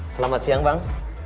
selamat siang bang